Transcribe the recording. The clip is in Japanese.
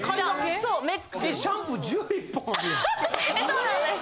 そうなんです。